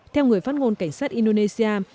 theo người phát ngôn cảnh sát indonesia